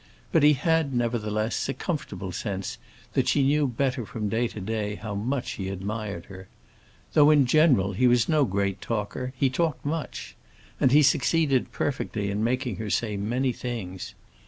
But he had, nevertheless, a comfortable sense that she knew better from day to day how much he admired her. Though in general he was no great talker, he talked much, and he succeeded perfectly in making her say many things.